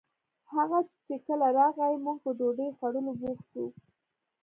هغه چې کله راغئ موږ په ډوډۍ خوړولو بوخت وو